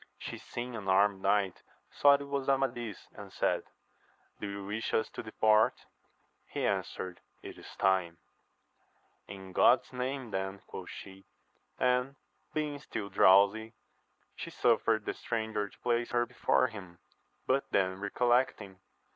She seeing an armed knight, thought it was Amadis, and said, Do you wish us to depart ? He answered, It is time ! In God's name then, quoth she ; and, being still drowsy, she suffered the stranger to place her before him; but then recollecting.